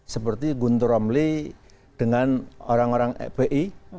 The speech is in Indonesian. seperti gunter romli dengan orang orang fbi